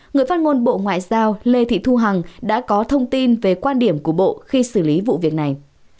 người phát ngôn bộ ngoại giao lê thị thu hằng đã có thông tin về quan điểm của bộ khi xử lý vụ việc này